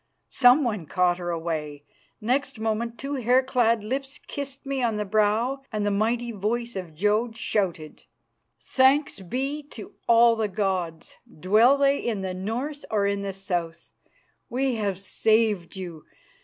Someone caught her away; next moment two hair clad lips kissed me on the brow and the mighty voice of Jodd shouted, "Thanks be to all the gods, dwell they in the north or in the south! We have saved you!